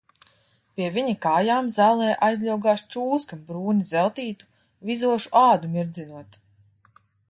Pie viņa kājām zālē aizļogās čūska brūni zeltītu, vizošu ādu mirdzinot.